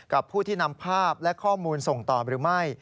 กับผู้ที่นำภาพและข้อมูลส่งต่อหรือไม่